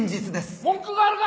文句があるか！？